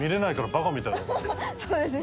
そうですね。